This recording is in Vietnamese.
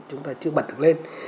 chúng ta chưa bật được lên